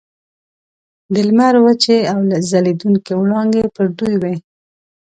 د لمر وچې او ځلیدونکي وړانګې پر دوی وې.